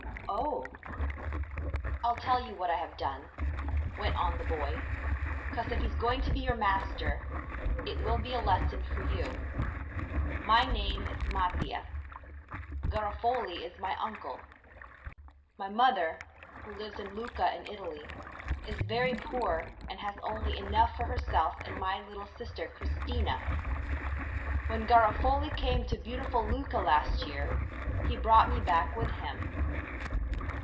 "Oh...." "I'll tell you what I have done," went on the boy, "'cause if he's going to be your master, it will be a lesson for you. My name is Mattia. Garofoli is my uncle. My mother, who lives in Lucca in Italy, is very poor and has only enough for herself and my little sister, Christina. When Garofoli came to beautiful Lucca last year he brought me back with him.